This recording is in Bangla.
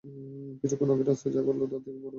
কিছুক্ষন আগে রাস্তায় যা করলো তার থেকেও বড় কিছু?